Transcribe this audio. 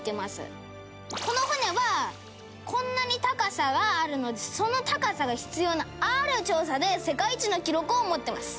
「この船はこんなに高さがあるのでその高さが必要なある調査で世界一の記録を持ってます」